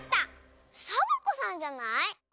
サボ子さんじゃない？